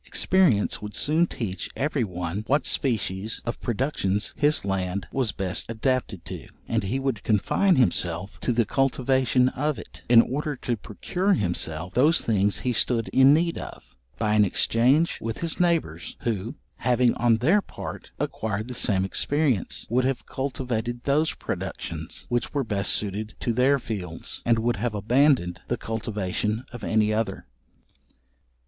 Experience would soon teach every one what species of productions his land was best adapted to, and he would confine himself to the cultivation of it; in order to procure himself those things he stood in need of, by an exchange with his neighbours, who, having on their part acquired the same experience, would have cultivated those productions which were best suited to their fields, and would have abandoned the cultivation of any other.